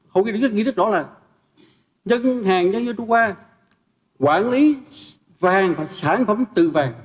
hầu kỳ những ý tức đó là ngân hàng nhân dân trung quốc quản lý vàng và sản phẩm tự vàng